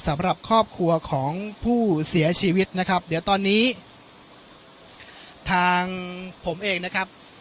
สำหรับครอบครัวของผู้เสียชีวิตนะครับเดี๋ยวตอนนี้ทางผมเองนะครับ